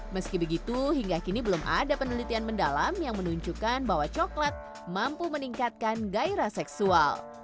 meski begitu hingga kini belum ada penelitian mendalam yang menunjukkan bahwa coklat mampu meningkatkan gairah seksual